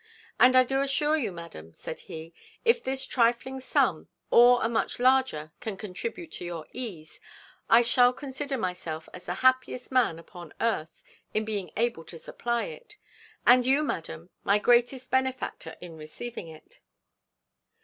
"And I do assure you, madam," said he, "if this trifling sum or a much larger can contribute to your ease, I shall consider myself as the happiest man upon earth in being able to supply it, and you, madam, my greatest benefactor in receiving it."